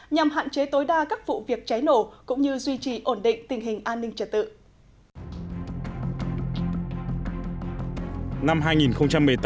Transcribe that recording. nhằm hạn chế tối đa các vụ việc cháy nổ cũng như duy trì ổn định tình hình an ninh trật tự